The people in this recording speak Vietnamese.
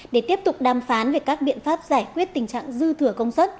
để tiếp tục đàm phán về các biện pháp giải quyết tình trạng dư thừa công suất